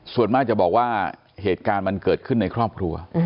ส่วนมากจะบอกว่าเหตุการณ์มันเกิดขึ้นในครอบครัว